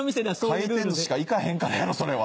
回転寿司しか行かへんからやろそれは。